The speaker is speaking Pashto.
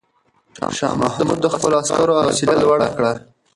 شاه محمود د خپلو عسکرو حوصله لوړه کړه.